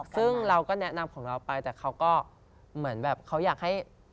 ซึ่งเราก็แนะนำของเราไปแต่เขาก็เหมือนแบบเขาอยากให้